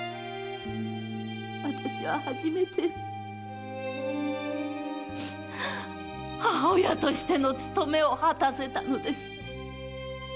あたしは初めて母親としての務めを果たせたのです！